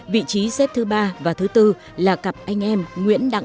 vị trí xếp thứ ba và thứ bốn là cặp anh em nguyễn đặng